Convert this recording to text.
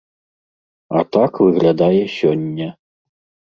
А так выглядае сёння.